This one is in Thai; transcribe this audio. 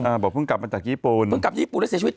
บอกเพิ่งกลับมาจากญี่ปุ่นเพิ่งกลับญี่ปุ่นแล้วเสียชีวิต